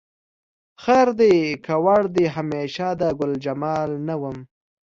خیر دی که وړ دې همیشه د ګلجمال نه وم